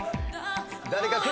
誰かくる？